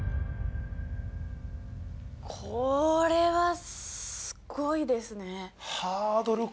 これはすごいですね。